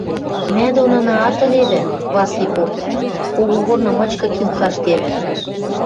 – Мӓ донынаат ылевӹ, – Васли попа, – когогорны мычкы килт каштевӹ.